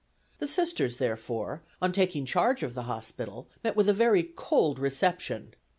The Sisters, therefore, on taking charge of the hospital met with a very cold reception.